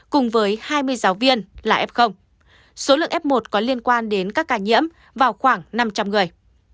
cùng với hai mươi giáo viên là f số lượng f một có liên quan đến các ca nhiễm vào khoảng năm trăm linh người